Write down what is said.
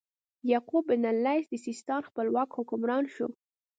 یعقوب بن اللیث د سیستان خپلواک حکمران شو.